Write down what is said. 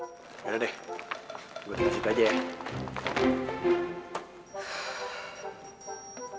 ya udah deh gue tengah siap aja ya